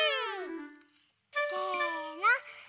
せの。